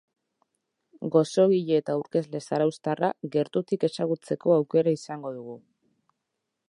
Gozogile eta aurkezle zarauztarra gertutik ezagutzeko aukera izango dugu.